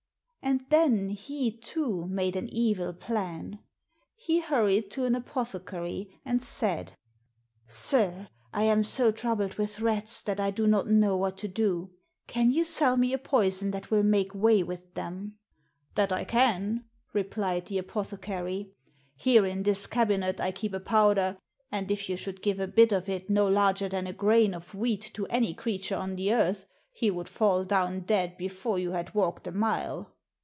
And then he, too, made an evil plan. He hurried to an apothecary and said, " Sir, I am so trou bled with rats that I do not know what to do. Can you sell me a poison that will make way with them?" " That I can," replied the apothecary. " Here in this cabinet I keep a powder, and if you should give a bit of it no larger than a grain of wheat to any crea ture on the earth, he would fall down dead before you had walked a mile."